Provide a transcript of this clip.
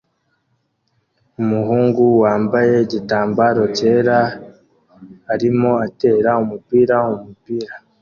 Umuhungu wambaye igitambaro cyera arimo atera umupira umupira